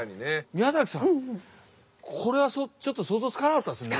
宮崎さんこれはちょっと想像つかなかったですね？